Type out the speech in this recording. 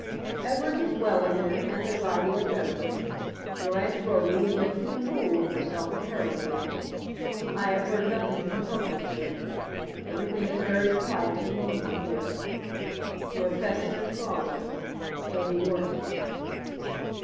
Everett is well again, and as idle as ever. Your aunt Roby is making a fool of herself at Harrogate. I have heard nothing from Herefordshire. Everything is very quiet and lonely here. Your affectionate father, A. WHARTON.